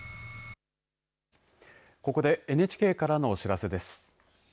ここでＮＨＫからのお知らせです。